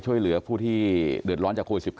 ใช่ค่ะคุณผู้ชมก็ส่งกำลังใจให้เยอะเลยนะคะ